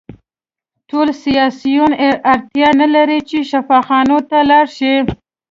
ټول سیاسیون اړتیا نلري چې شفاخانو ته لاړ شي